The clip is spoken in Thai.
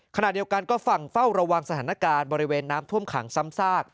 ขณะเดียวกันก็ฝั่งเฝ้าระวังสถานการณ์บริเวณน้ำท่วมขังซ้ำซาก